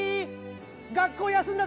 学校休んだ